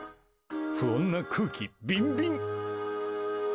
不穏な空気、ビンビン！